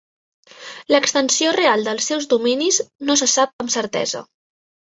L'extensió real dels seus dominis no se sap amb certesa.